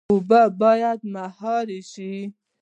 اوبه باید مهار شي